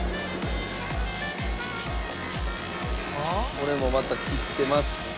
これもまた切ってます。